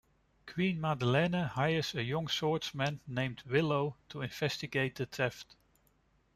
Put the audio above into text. Queen Madeleine hires a young swordsman named Willow to investigate the theft.